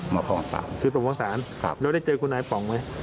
ฮะคือตรงพร่องศาลแล้วได้เจอคุณนายปองไหม